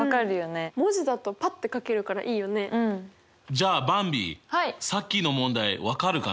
じゃあばんびさっきの問題分かるかな？